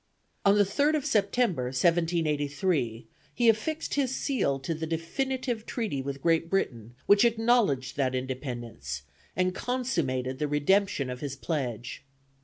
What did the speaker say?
ON THE THIRD OF SEPTEMBER, 1783, HE AFFIXED HIS SEAL TO THE DEFINITIVE TREATY WITH GREAT BRITAIN, WHICH ACKNOWLEDGED THAT INDEPENDENCE, AND CONSUMMATED THE REDEMPTION OF HIS PLEDGE.